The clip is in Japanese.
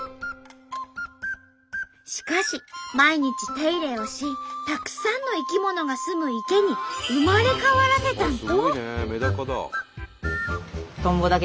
しかし毎日手入れをしたくさんの生き物がすむ池に生まれ変わらせたんと。